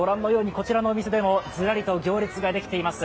こちらのお店でもずらりと行列ができています。